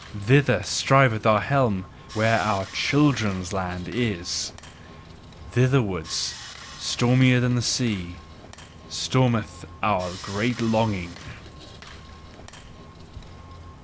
THITHER striveth our helm where our CHILDREN'S LAND is! Thitherwards, stormier than the sea, stormeth our great longing!